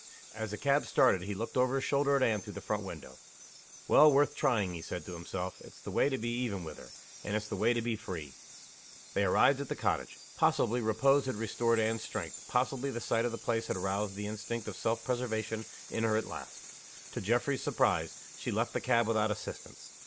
As the cab started he looked over his shoulder at Anne through the front window. "Well worth trying," he said to himself. "It's the way to be even with her. And it's the way to be free." They arrived at the cottage. Possibly, repose had restored Anne's strength. Possibly, the sight of the place had roused the instinct of self preservation in her at last. To Geoffrey's surprise, she left the cab without assistance.